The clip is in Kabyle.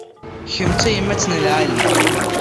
Kemm d tayemmat n lɛali.